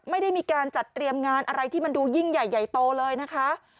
ไม่ได้มีการจัดเตรียมงานอะไรที่มันดูยิ่งใหญ่ใหญ่โตเลยนะคะ